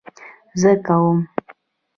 زه کوم